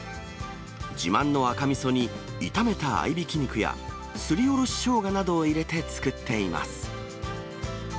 自慢の赤みそに炒めた合いびき肉や、すりおろししょうがなどを入れて作っています。